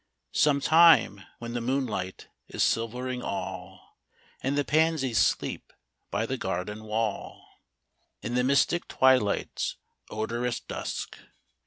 Sometime, when the moonlight is silvering all. And the pansies sleep by the garden wall, — In the mystic twilight's odorous dusk.